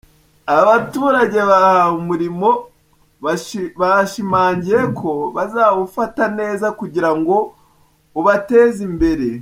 Abaturage bahawe umuriro bashimangiye ko bazawufata neza kugira ngo ubateze imbere.